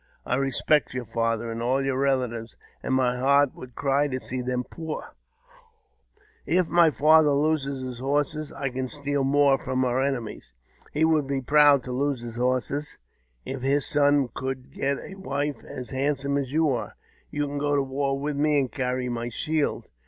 I respect your father, and all your relatives, and my heart would cry to see them poor." " If my father loses his horses, I can steal more from our enemies. He would be proud to lose his horses if his son could get a wife as handsome as you are. You can go to war with me, and carry my shield.